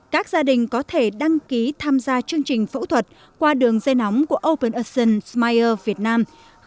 các gia đình có thể đăng ký tham gia chương trình phẫu thuật qua đường dây nóng của open osceon smier việt nam